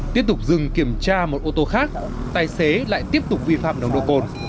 tiếp tục dừng kiểm tra một ô tô khác tài xế lại tiếp tục vi phạm nồng độ cồn